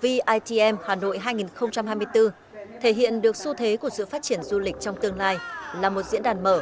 vitm hà nội hai nghìn hai mươi bốn thể hiện được xu thế của sự phát triển du lịch trong tương lai là một diễn đàn mở